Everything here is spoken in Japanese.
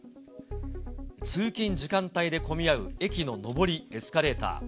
通勤時間帯で混み合う駅の上りエスカレーター。